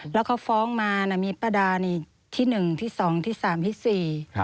แล้วเขาฟ้องมานะมีป้าดานี่ที่๑ที่๒ที่๓ที่๔